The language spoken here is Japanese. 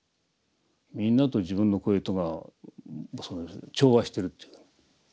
みんなと自分の声とが調和してるっていう。